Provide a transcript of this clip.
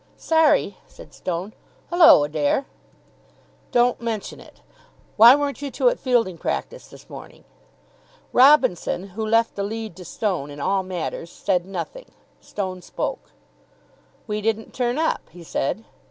"Sorry," said Stone. "Hullo, Adair!" "Don't mention it. Why weren't you two at fielding practice this morning?" Robinson, who left the lead to Stone in all matters, said nothing. Stone spoke. "We didn't turn up," he said.